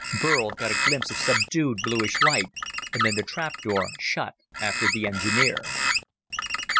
Burl got a glimpse of subdued, bluish light, and then the trap door shut after the engineer.